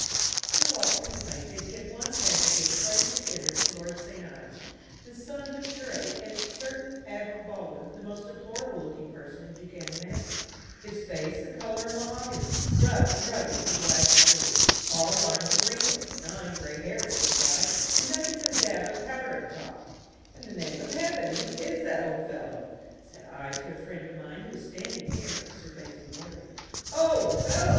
Sir Walter complains that he had once had to give place at dinner to Lord St. Ives, the son of a curate, and "a certain Admiral Baldwin, the most deplorable looking personage you can imagine: his face the colour of mahogany, rough and rugged to the last degree, all lines and wrinkles, nine grey hairs of a side, and nothing but a dab of powder at top": "In the name of heaven, who is that old fellow?" said I to a friend of mine who was standing near (Sir Basil Morley). "Old fellow!"